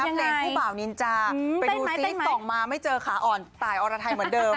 เพลงผู้บ่าวนินจาไปดูซิส่องมาไม่เจอขาอ่อนตายอรไทยเหมือนเดิม